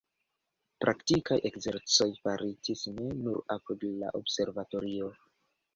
Praktikaj ekzercoj faritis ne nur apud la observatorio.